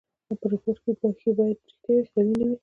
په ریپورټ کښي پېښي باید ریښتیا وي؛ خیالي نه وي.